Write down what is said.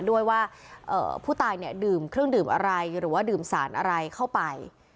ด้วยว่าผู้ตายเนี่ยดื่มเครื่องดื่มอะไรหรือว่าดื่มสารอะไรเข้าไป